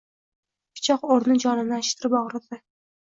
Pichoq o‘rni jonini achishtirib og‘rirdi